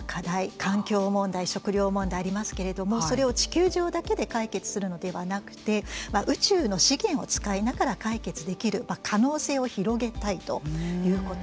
環境問題、食糧問題がありますけれどもそれを地球上だけで解決するのではなくて宇宙の資源を使いながら解決できる可能性を広げたいということ。